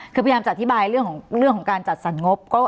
คือพยายามจะอธิบายเรื่องของการจัดสรรงบ